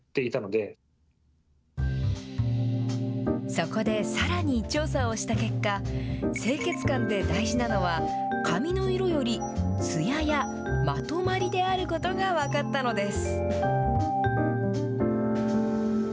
そこで、さらに調査をした結果清潔感で大事なのは、髪の色よりつやや、まとまりであることが分かったのです。